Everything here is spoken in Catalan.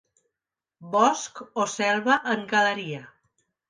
Bosc o selva en galeria.